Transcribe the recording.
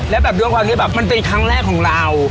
แล้วด้วยความว่ามันเป็นครั้งแรกของเรา